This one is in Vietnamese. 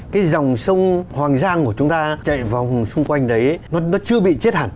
cái dòng sông hoàng giang của chúng ta chạy vào xung quanh đấy nó chưa bị chết hẳn